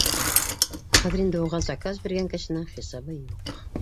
Хәҙер инде уға заказ биргән кешенең хисабы юҡ.